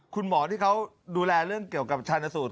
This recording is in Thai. คุณหมอที่เขาดูแลเรื่องเกี่ยวกับชาญสูต